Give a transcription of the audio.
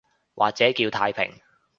或者叫太平